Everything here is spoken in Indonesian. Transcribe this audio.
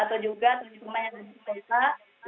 atau juga teman teman yang ada di desa